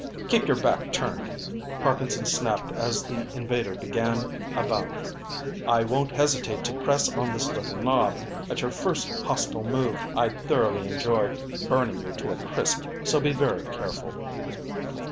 "Keep your back turned!" Parkinson snapped as the invader began about. "I won't hesitate to press on this little knob, at your first hostile move! I'd thoroughly enjoy burning you to a crisp, so be very careful."